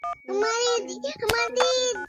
একদিন তুলতে হবে।